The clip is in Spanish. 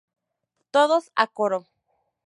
Todos a coro